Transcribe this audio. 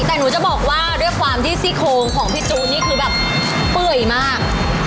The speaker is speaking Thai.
แต่หนูจะบอกว่าด้วยความที่ซี่โครงของพี่จูนนี่คือแบบเปื่อยมาก